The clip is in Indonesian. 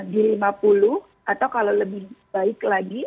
di lima puluh atau kalau lebih baik lagi